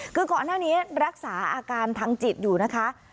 คือก่อนหน้านี้รักษาอาการทางจิตอยู่นะคะ